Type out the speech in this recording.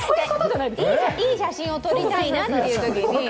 いい写真を撮りたいなというときに。